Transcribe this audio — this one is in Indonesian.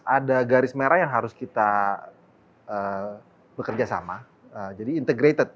ada garis merah yang harus kita bekerja sama jadi integrated